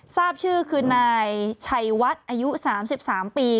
ทราบชื่อคือนายชัยวัดอายุ๓๓ปี